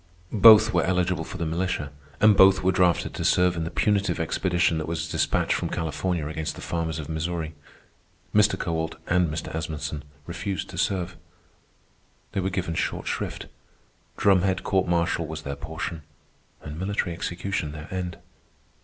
Both were eligible for the militia, and both were drafted to serve in the punitive expedition that was despatched from California against the farmers of Missouri. Mr. Kowalt and Mr. Asmunsen refused to serve. They were given short shrift. Drumhead court martial was their portion, and military execution their end.